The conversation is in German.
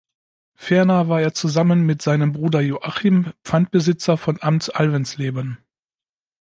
Ferner war er zusammen mit seinem Bruder Joachim Pfandbesitzer von Amt Alvensleben.